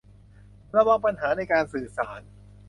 ระวังปัญหาในการสื่อสาร